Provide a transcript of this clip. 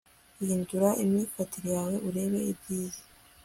hindura imyifatire yawe urebe ibyiza